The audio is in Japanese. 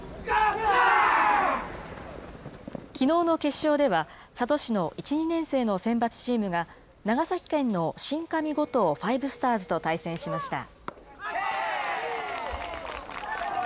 きのうの決勝では、佐渡市の１、２年生の選抜チームが、長崎県の新上五島ファイブスターズと対戦しました。